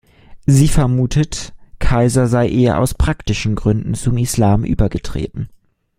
Sie vermutet, Kaiser sei eher aus praktischen Gründen zum Islam übergetreten.